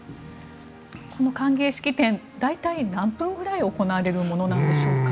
この歓迎式典大体、何分ぐらい行われるものなんでしょうか。